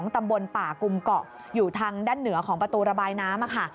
ตำบลป่ากุมเกาะอยู่ทางด้านเหนือของประตูระบายน้ำ